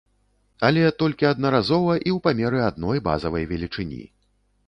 Але толькі аднаразова і ў памеры адной базавай велічыні.